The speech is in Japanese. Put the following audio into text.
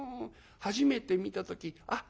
初めて見た時あっ